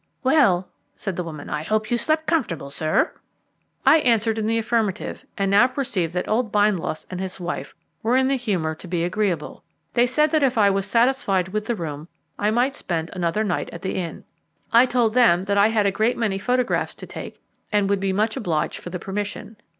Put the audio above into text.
"Well," said the woman, "I hope you slept comfortable, sir." I answered in the affirmative, and now perceived that old Bindloss and his wife were in the humour to be agreeable. They said that if I was satisfied with the room I might spend another night at the inn. I told them that I had a great many photographs to take, and would be much obliged for the permission.